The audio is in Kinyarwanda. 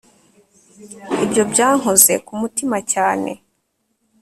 Ibyo byankoze ku mutima cyane